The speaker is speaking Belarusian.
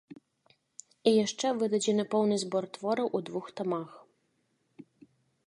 І яшчэ выдадзены поўны збор твораў у двух тамах.